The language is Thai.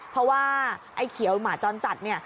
เพราะว่าไอ้เขียวหมาจรจัดเนี่ย